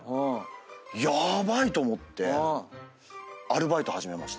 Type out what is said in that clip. ヤバい！と思ってアルバイト始めました。